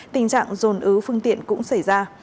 tình trạng dồn ứ phương tiện cũng xảy ra